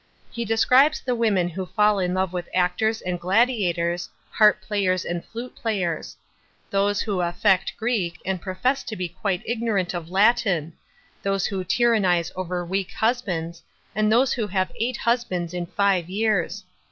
He describes the women who fall in love w th actors and gladiators, harp players and flute players ; those who affect Greek and profess to be quite ignorant of Latin ;§ those who tyrannize over wetik husbands, and those who have eight husbands in five years.